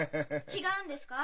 違うんですか？